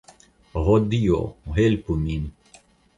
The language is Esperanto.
Ho Dio, helpu min!